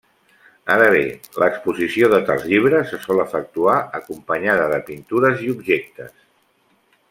Ara bé, l'exposició de tals llibres se sol efectuar acompanyada de pintures i objectes.